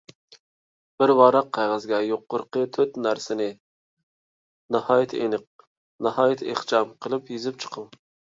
بىر ۋاراق قەغەزگە يۇقىرىقى تۆت نەرسىنى ناھايىتى ئېنىق، ناھايىتى ئىخچام قىلىپ يېزىپ چىقىڭ.